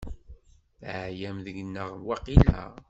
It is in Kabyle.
Teɛyam deg-neɣ waqila?